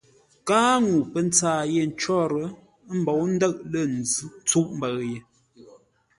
Káa ŋuu pə́ ntsâa yé ncwór, ə́ mbou ndə̂ʼ lə̂ ntsûʼ mbəʉ ye.